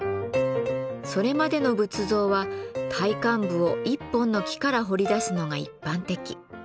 それまでの仏像は体幹部を１本の木から彫り出すのが一般的。